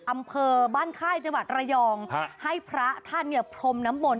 อำเภอบ้านค่ายจังหวัดระยองให้พระท่านเนี่ยพรมน้ำมนต